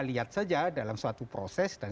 lihat saja dalam suatu proses dan